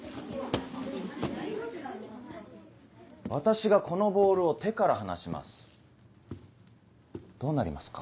私がこのボールを手から離しますどうなりますか？